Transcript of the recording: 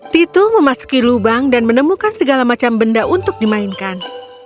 titu memasuki lubang dan menemukan segala macam benda untuk dimainkan